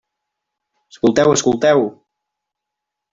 Escolteu, escolteu!